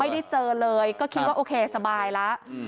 ไม่ได้เจอเลยก็คิดว่าโอเคสบายแล้ว